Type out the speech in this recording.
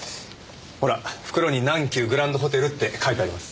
ほら袋に南急グランドホテルって書いてあります。